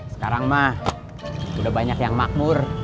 sekarang mah udah banyak yang makmur